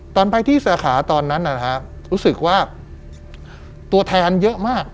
ตอนไปที่สาขาตอนนั้นรู้สึกว่าตัวแทนเยอะมาก